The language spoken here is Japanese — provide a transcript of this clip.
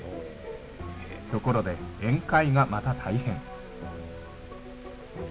ところで、宴会がまた大変。